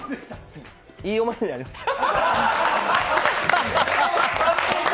いい思い出になりました。